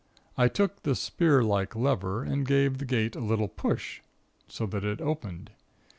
I took the spear like lever, and gave the gate a little push, so that it opened.